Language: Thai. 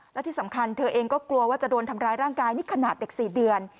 และที่สำคัญเธอเองก็กลัวว่าจะโดนทำร้ายร่างกายนี่ขนาดเด็ก๔เดือน